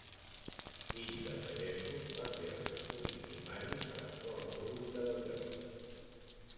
Fill de pagesos, va fer els estudis primaris a l'escola pública del lloc.